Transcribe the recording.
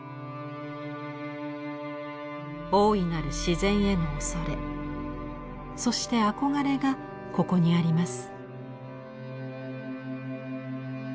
大いなる自然への畏れそして憧れがここにあります。